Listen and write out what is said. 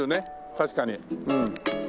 確かに。